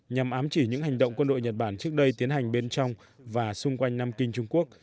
nhằm ám chỉ những hành động quân đội nhật bản trước đây tiến hành bên trong và xung quanh nam kinh trung quốc